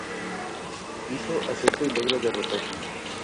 Medio Hermano de Sir Home Riggs Popham.